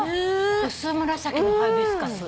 薄紫のハイビスカス。